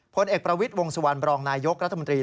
พลเอกประวิทย์วงสุวรรณบรองนายยกรัฐมนตรี